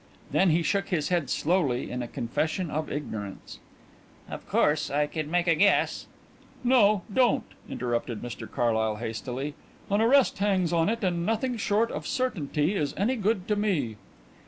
Then he shook his head slowly in a confession of ignorance. "Of course I could make a guess " "No, don't," interrupted Mr Carlyle hastily. "An arrest hangs on it and nothing short of certainty is any good to me."